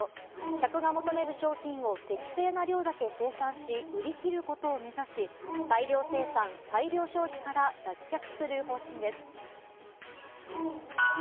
客が求める商品を適正な量だけ生産し売り切ることを目指し大量生産・大量消費から脱却する方針です。